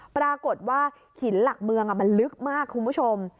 ปรากฏว่าหินหลักเมืองมันลึกมากคุณผู้ชม